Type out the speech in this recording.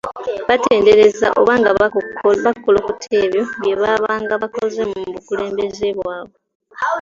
Batendereza oba nga bakolokota ebyo bye baabanga bakoze mu bukulembeze bwabwe.